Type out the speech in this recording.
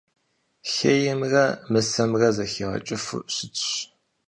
Хеймрэ мысэмрэ зэхигъэкӀыфу щытщ.